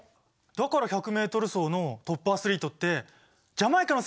だから１００ｍ走のトップアスリートってジャマイカの選手が多いのか！